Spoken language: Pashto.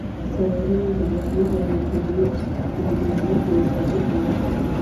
څلورمه د بریښنا او الکترونیکس انجینری انسټیټیوټ و.